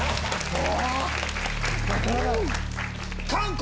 ・お！